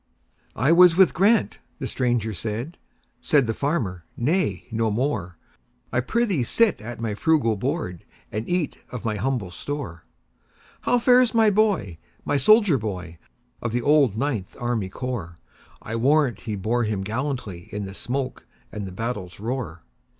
"I was with Grant"—the stranger said; Said the farmer, "Nay, no more,—I prithee sit at my frugal board, And eat of my humble store."How fares my boy,—my soldier boy, Of the old Ninth Army Corps?I warrant he bore him gallantlyIn the smoke and the battle's roar!"